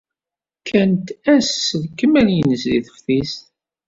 Kkant ass s lekmal-nnes deg teftist.